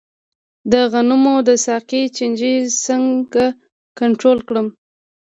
د غنمو د ساقې چینجی څنګه کنټرول کړم؟